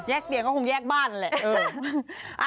แยกเตียงก็คงแยกบ้านอะแหละ